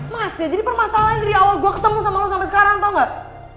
mas ya jadi permasalahan dari awal gue ketemu sama lo sampai sekarang tau gak